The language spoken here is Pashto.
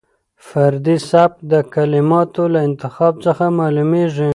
فردي سبک د کلماتو له انتخاب څخه معلومېږي.